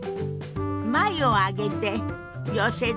眉を上げて寄せて。